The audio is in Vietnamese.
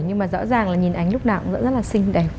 nhưng mà rõ ràng là nhìn anh lúc nào cũng rất là xinh đẹp